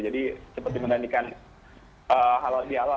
jadi cepat dimandikan halal di allah